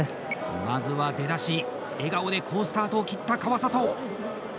まずは出だし笑顔で好スタートを切った川里。